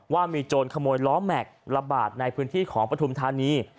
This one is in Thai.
ว่ามีโจรขโมยล้อแม็กซ์ระบาดในพื้นที่ของปฐุมธานี